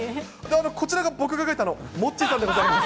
こちらが僕が描いたモッチーさんでございます。